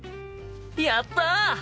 やった！